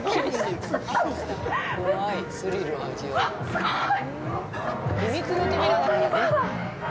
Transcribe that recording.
すごい！